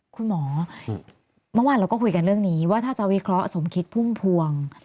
คุณหมอเมื่อวานเราก็คุยกันเรื่องนี้ว่าถ้าจะวิเคราะห์สมคิดพุ่มพวง